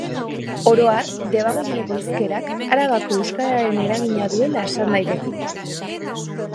Oro har, Debagoieneko hizkerak Arabako euskararen eragina duela esan daiteke.